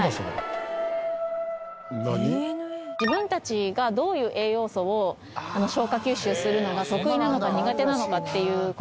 自分たちがどういう栄養素を消化吸収するのが得意なのか苦手なのかっていう事を調べて。